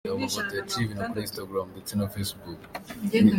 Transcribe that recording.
Reba amafoto yaciye ibintu kuri Instagram ndetse na Facebook.